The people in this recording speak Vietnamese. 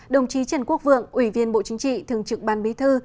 đồng chí trần quốc vượng ủy viên bộ chính trị thường trực ban bí thư